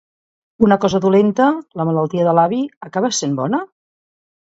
Una cosa dolenta, la malaltia de l’avi, acaba essent bona?